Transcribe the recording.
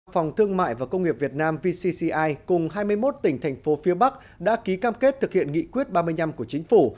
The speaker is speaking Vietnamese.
phòng thương mại và công nghiệp việt nam vcci cùng hai mươi một tỉnh thành phố phía bắc đã ký cam kết thực hiện nghị quyết ba mươi năm của chính phủ